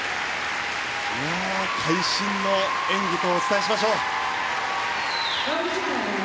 会心の演技とお伝えしましょう。